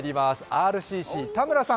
ＲＣＣ田村さん